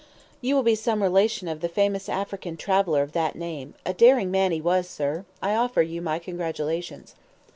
You will be some relation of the famous African traveler of that name. A daring man he was, sir. I offer you my congratulations."